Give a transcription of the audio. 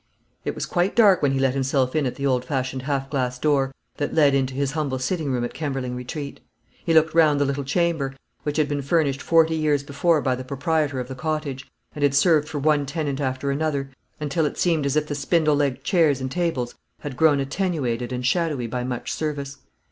It was quite dark when he let himself in at the old fashioned half glass door that led into his humble sitting room at Kemberling Retreat. He looked round the little chamber, which had been furnished forty years before by the proprietor of the cottage, and had served for one tenant after another, until it seemed as if the spindle legged chairs and tables had grown attenuated and shadowy by much service.